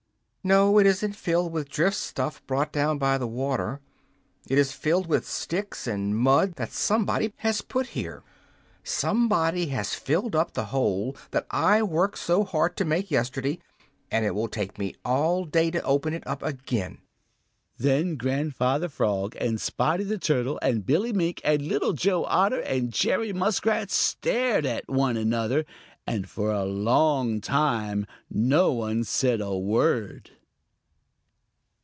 "No, it isn't filled with drift stuff brought down by the water. It is filled with sticks and mud that somebody has put there. Somebody has filled up the hole that I worked so hard to make yesterday, and it will take me all day to open it up again." Then Grandfather Frog and Spotty the Turtle and Billy Mink and Little Joe Otter and Jerry Muskrat stared at one mother, and for a long time no one said a word.